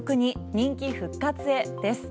人気復活へです。